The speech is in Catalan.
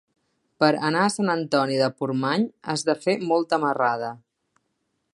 Per anar a Sant Antoni de Portmany has de fer molta marrada.